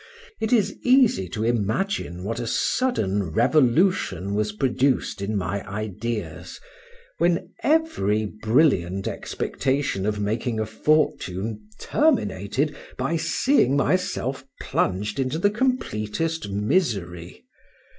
It is easy to imagine what a sudden revolution was produced in my ideas, when every brilliant expectation of making a fortune terminated by seeing myself plunged in the completest misery.